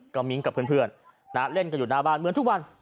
ก็มิ้งกับเพื่อนเล่นกันอยู่หน้าบ้านเหมือนทุกวัน